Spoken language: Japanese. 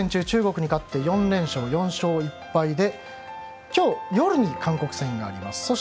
中国に勝って４連勝、４勝１敗で今日夜に韓国戦があります。